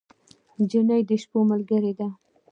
نجلۍ د شپو ملګرې ده.